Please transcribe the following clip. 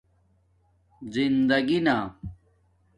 زندگݵ نہ